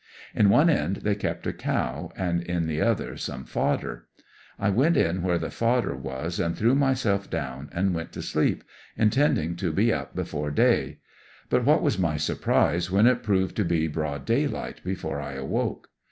In one end they kept a cow and in the other some fodder. I went m where the fodder was and threw myself down and went to sleep, in tending to be up before day ; but what was my surprise when it prov A DARING ESCAPE, 169 ed to be broad daylight before I awoke.